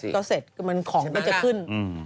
ก็เสร็จของก็จะขึ้น